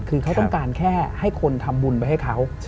คือเขาต้องการแค่ให้คนทำบุญไปให้เขา